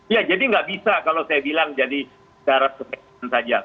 iya jadi nggak bisa kalau saya bilang jadi secara keseluruhan saja